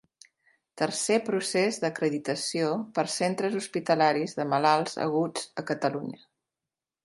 Tercer procés d'acreditació per a centres hospitalaris de malalts aguts a Catalunya.